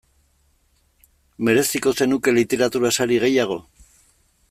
Mereziko zenuke literatura sari gehiago?